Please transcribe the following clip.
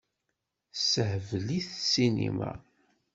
Tessehbel-it ssinima.